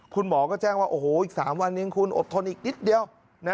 คุณหมอก็แจ้งว่าอีก๓วันคุณอบทนอีกนิดเดียว